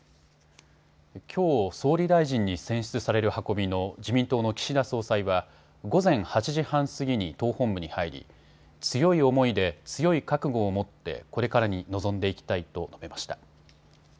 きょう総理大臣に選出される運びの自民党の岸田総裁は午前８時半過ぎに党本部に入り強い思いで強い覚悟を持ってこれからに臨んでいきたいと述べました。